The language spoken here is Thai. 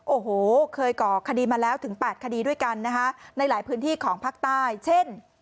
โอ้โหเคยก่อคดีมาแล้วถึง๘คดีด้วยกันนะคะในหลายพื้นที่ของภาคใต้เช่น